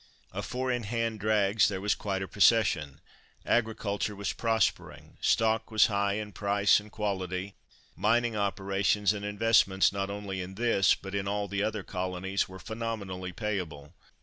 Of four in hand drags there was quite a procession. Agriculture was prospering. Stock was high in price and quality. Mining operations and investments not only in this, but in all the other colonies, were phenomenally payable.